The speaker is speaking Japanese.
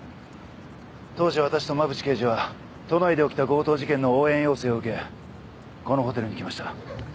当時私と馬淵刑事は都内で起きた強盗事件の応援要請を受けこのホテルに来ました。